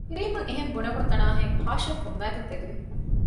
ރީމްއަށް އެހެން ބުނެވުނުތަނާހެން ހާޝިމް ފުންމައިގެން ތެދުވި